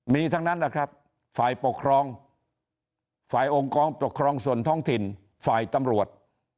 มีทั้งนั้นแหละครับฝ่ายปกครองฝ่ายองค์กรปกครองส่วนท้องถิ่นฝ่ายตำรวจ